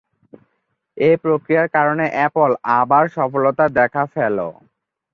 এ প্রক্রিয়ার কারণে অ্যাপল আবার সফলতার দেখা ফেলো।